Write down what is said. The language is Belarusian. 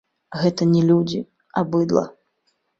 Гэта не людзі, а быдла.